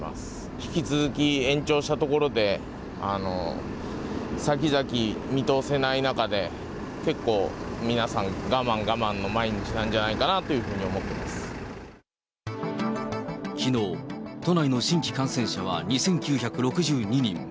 引き続き延長したところで、先々見通せない中で、結構皆さん我慢我慢の毎日なんじゃないかなというふうに思っていきのう、都内の新規感染者は２９６２人。